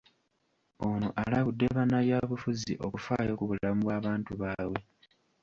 Ono alabudde bannabyabufuzi okufaayo ku bulamu bw’abantu baabwe.